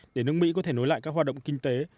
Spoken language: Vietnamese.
để nước mỹ có thể nối lại các hoạt động kinh tế